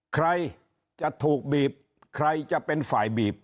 ใครจะถูกบีบใครจะเป็นฝ่ายบีบ